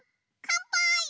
かんぱーい！